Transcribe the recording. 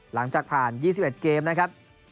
หลังจากผ่าน๒๑เกมนะครับ